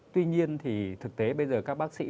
tuy nhiên thì thực tế bây giờ các bác sĩ